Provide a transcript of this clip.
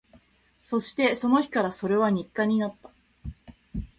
そして、その日からそれは日課になった